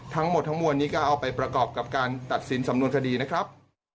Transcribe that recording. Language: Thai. ทั้งหมดทั้งมวลนี้ก็เอาไปประกอบกับการตัดสินสำนวนคดีนะครับ